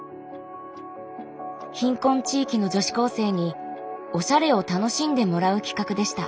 貧困地域の女子高生におしゃれを楽しんでもらう企画でした。